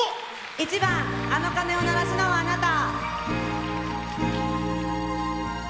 １番「あの鐘を鳴らすのはあなた」。